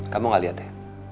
kamu gak liat ya